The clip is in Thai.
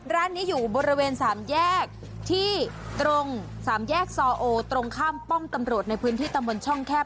ร้านนี้อยู่บริเวณสามแยกที่ตรงสามแยกซอโอตรงข้ามป้อมตำรวจในพื้นที่ตำบลช่องแคบ